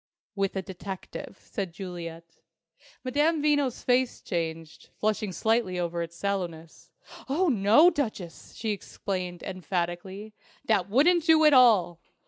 "With a detective," said Juliet. Madame Veno's face changed, flushing slightly over its sallowness. "Oh, no, Duchess!" she exclaimed, emphatically. "That wouldn't do at all.